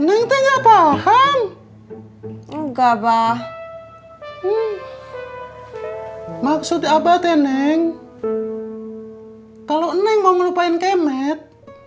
enggak bah maksud abah teneng kalau eneng mau ngelupain kemet